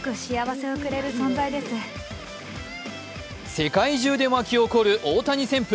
世界中で巻き起こる大谷旋風。